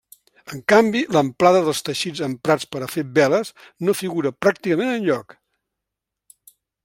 En canvi, l'amplada dels teixits emprats per a fer veles no figura pràcticament enlloc.